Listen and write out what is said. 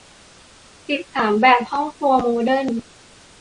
สิบสาม แบบห้องครัวโมเดิร์น